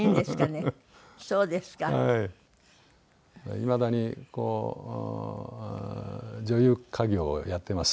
いまだにこう女優稼業をやってます。